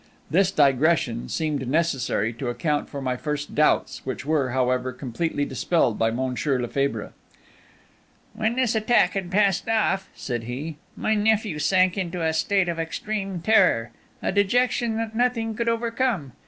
This digression seemed necessary to account for my first doubts, which were, however, completely dispelled by Monsieur Lefebvre. "When this attack had passed off," said he, "my nephew sank into a state of extreme terror, a dejection that nothing could overcome.